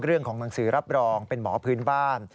เรื่องของหนังสือรับรองเป็นหมอพื้นบ้าน